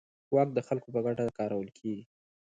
واک د خلکو په ګټه کارول کېږي.